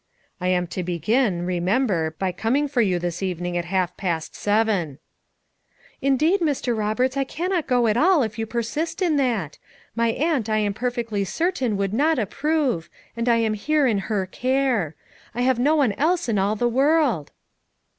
"I am to begin, remember, by coming for you this evening at half past seven." "Indeed, Mr, Roberts, I cannot go at all if you persist in that; my aunt I am perfectly certain would not approve, and I am here in her care; I have no one else in all the world."